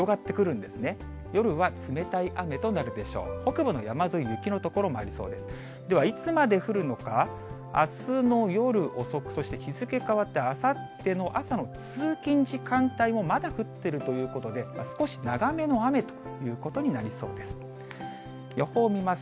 では、いつまで降るのか、あすの夜遅く、そして日付変わって、あさっての朝の通勤時間帯も、まだ降ってるということで、少し長めの雨ということになりそうです。